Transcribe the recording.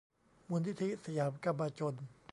มูลนิธิสยามกัมมาจล